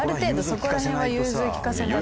そこら辺は融通利かせないと。